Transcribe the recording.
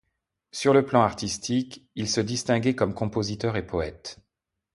Sur le plan artistique, il se distinguait comme compositeur et poète.